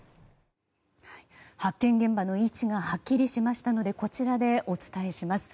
発見現場の位置がはっきりしましたのでこちらでお伝えします。